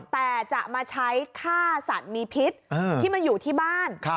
แต่จะมาใช้ฆ่าสัตว์มีพิษที่มาอยู่ที่บ้าน